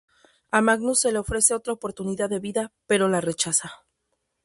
A Magnus se le ofrece otra oportunidad de vida, pero la rechaza.